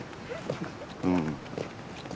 うん。